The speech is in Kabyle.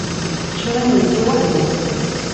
Ččiɣ imensi weḥd-i.